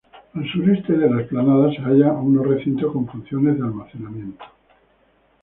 Al sureste de la explanada se hallaban unos recintos con funciones de almacenamiento.